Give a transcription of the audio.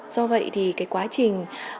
do vậy thì cái quá trình